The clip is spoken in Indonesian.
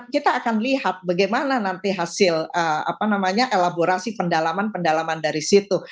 kita akan lihat bagaimana nanti hasil elaborasi pendalaman pendalaman dari situ